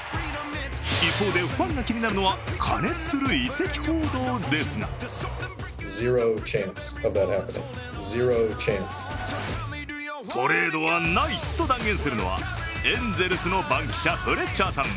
一方でファンが気になるのは過熱する移籍報道ですが「トレードはない」と断言するのは、エンゼルスの番記者、フレッチャーさん。